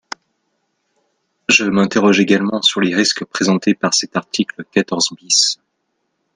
Je m’interroge également sur les risques présentés par cet article quatorze bis.